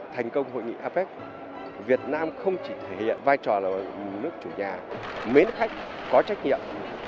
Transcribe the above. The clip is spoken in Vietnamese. thành công hội nghị apec việt nam không chỉ thể hiện vai trò là nước chủ nhà mến khách có trách nhiệm